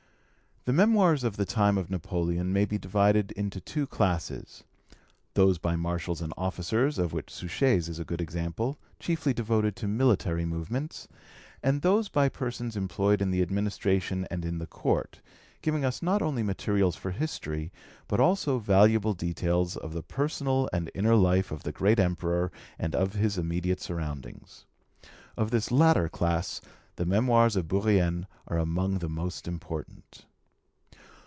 The Memoirs of the time of Napoleon may be divided into two classes those by marshals and officers, of which Suchet's is a good example, chiefly devoted to military movements, and those by persons employed in the administration and in the Court, giving us not only materials for history, but also valuable details of the personal and inner life of the great Emperor and of his immediate surroundings. Of this latter class the Memoirs of Bourrienne are among the most important.